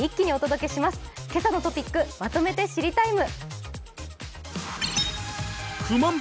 「けさのトピックまとめて知りＴＩＭＥ，」。